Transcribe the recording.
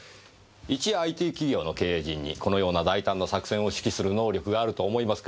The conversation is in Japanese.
いちＩＴ企業の経営陣にこのような大胆な作戦を指揮する能力があると思いますか？